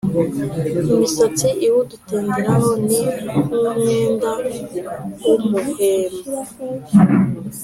imisatsi iwutenderaho ni nk’umwenda w’umuhemba;